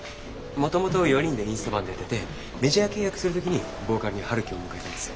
もともと４人でインストバンドやっててメジャー契約する時にボーカルに陽樹を迎えたんですよ。